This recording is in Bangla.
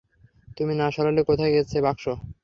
তুমি না সরালে, কোথায় গেছে বাক্স?